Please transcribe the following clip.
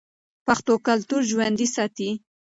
پښتو کلتور ژوندی ساتي.